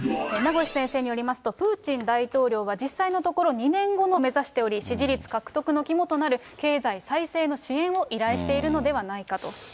名越先生によりますと、プーチン大統領は実際のところ、２年後の再選を目指しており、支持率獲得の肝となる、経済再生の支援を依頼しているのではないかと。